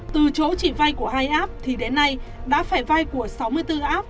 từ chỗ chỉ vay của hai app thì đến nay đã phải vay của sáu mươi bốn app